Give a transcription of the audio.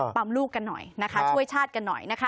ลูกกันหน่อยนะคะช่วยชาติกันหน่อยนะคะ